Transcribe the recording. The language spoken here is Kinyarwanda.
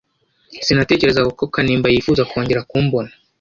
Sinatekerezaga ko Kanimba yifuza kongera kumbona